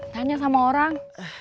tanya sama orang